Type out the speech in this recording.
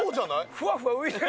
ふわふわ浮いてる。